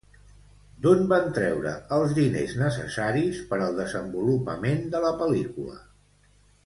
D'on van treure els diners necessaris per al desenvolupament de la pel·lícula?